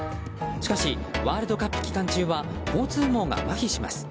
しかしワールドカップ期間中は交通網がまひします。